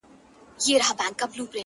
د يويشتمي پېړۍ شپه ده او څه ستا ياد دی ـ